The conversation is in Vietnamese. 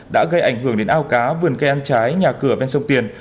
đã gây ảnh hưởng đến ao cá vườn cây ăn trái nhà cửa ven sông tiền